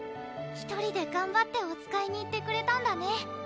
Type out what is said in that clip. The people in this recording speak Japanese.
１人でがんばっておつかいに行ってくれたんだね